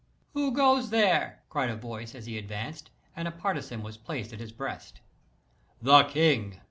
"Who goes there?" cried a voice, as he advanced, and a partisan was placed at his breast. "The king!"